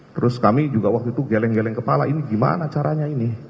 terus kami juga waktu itu geleng geleng kepala ini gimana caranya ini